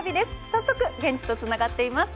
早速、現地とつながっています。